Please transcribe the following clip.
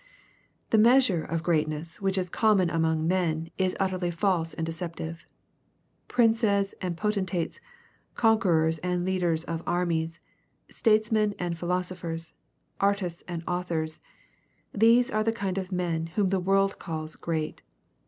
"' The measure of greatnees which is common among men is utterly false and deceptive. Princes and poten tates, conquerors and leaders of armies, statesmen and philosophers, artists and authors, — these are the kind of men whom the world calls *^ great."